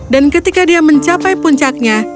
dan ketika dia mencapai puncaknya